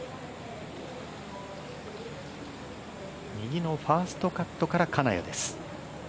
右のファーストカットから金谷です。